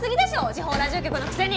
地方ラジオ局のくせに！